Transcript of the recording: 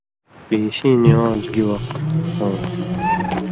پِینشِیں نِوانز گِی وَخ ہُونت؟